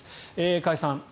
加谷さん。